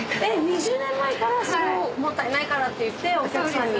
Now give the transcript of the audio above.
２０年前からそれをもったいないからっていってお客さんに。